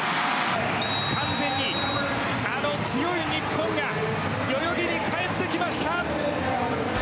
完全に、あの強い日本が代々木に帰ってきました。